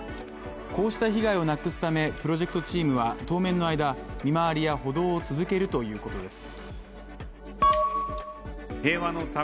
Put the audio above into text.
こうした被害をなくすためプロジェクトチームは当面の間、見回りや補導を続けるということです。